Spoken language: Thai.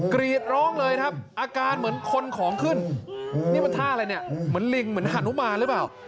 กรีดร้องเลยครับอาการเหมือนคนของขึ้นนี่มันท่าอะไรเนี่ยเหมือนลิงเหมือนฮานุมานหรือเปล่า